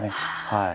はい。